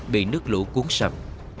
bị nước lũ cuốn sầm